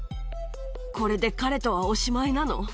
これで彼とはおしまいなの？